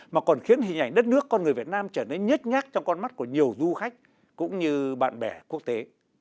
mà còn khiến hình ảnh đất nước con người việt nam trở nên nhất nhát trong con mắt của nhiều du khách cũng như bạn bè quốc tế